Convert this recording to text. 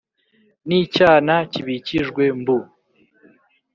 n’icyana cy’ikijibwe mbu